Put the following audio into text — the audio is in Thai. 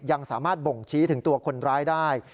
ยังสามารถบ่งชี้ถึงตัวคนร้ายได้